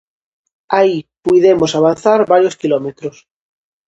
Aí puidemos avanzar varios quilómetros.